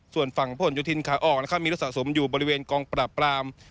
ส่วนฝั่งผลโยธินขาออกนะครับมีรถสะสมอยู่บริเวณกองปราบปราม